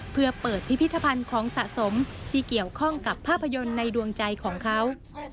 เพื่อเปิดพิพิธภัณฑ์ของสะสมที่เกี่ยวข้องกับภาพยนตร์ในดวงใจของเขา